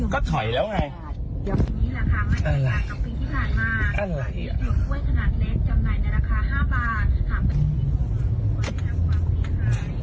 ก็ถอยแล้วไงอะไรอะไรอ่ะ